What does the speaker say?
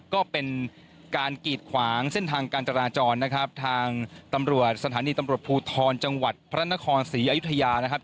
ก็เป็นการกีดขวางเส้นทางการจราจรนะครับทางตำรวจสถานีตำรวจภูทรจังหวัดพระนครศรีอยุธยานะครับ